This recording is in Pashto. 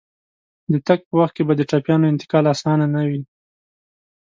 د تګ په وخت کې به د ټپيانو انتقال اسانه نه وي.